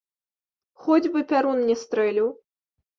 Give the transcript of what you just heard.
Хоць бы пярун не стрэліў!